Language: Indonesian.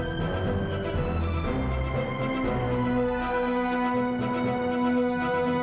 ini ada penudasan buat pi'rz aja